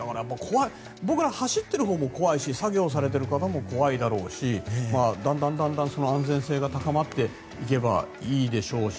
僕ら、走っているほうも怖いし作業されている方も怖いしだんだん安全性が高まっていけばいいでしょうし。